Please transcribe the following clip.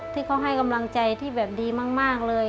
ที่เขาให้กำลังใจที่แบบดีมากเลย